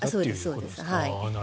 そうです。